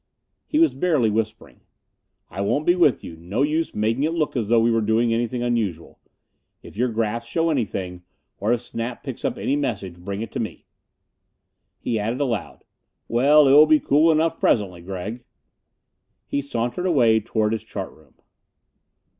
He was barely whispering. "I won't be with you no use making it look as though we were doing anything unusual. If your graphs show anything or if Snap picks up any message bring it to me." He added aloud, "Well, it will be cool enough presently, Gregg." He sauntered away toward his chart room.